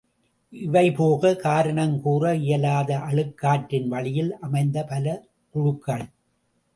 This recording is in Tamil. இவைபோக காரணங் கூற இயலாத அழுக்காற்றின் வழியில் அமைந்த பல குழுக்கள்!